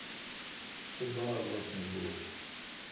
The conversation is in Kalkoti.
سو باڑ روݭ می گوی۔